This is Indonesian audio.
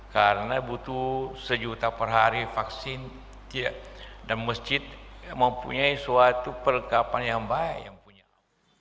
karena butuh sejuta per hari vaksin dan masjid mempunyai suatu perlengkapan yang baik